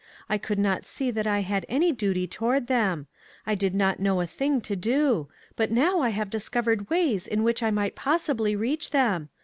I could not see that I had any duty toward them. I did not know a thing to do ; but now I have discovered ways in which I might possibly reach them.